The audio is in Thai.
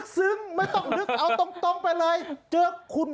สวัสดีค่ะต่างทุกคน